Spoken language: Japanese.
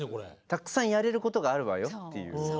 たくさんやれることがあるわよっていう。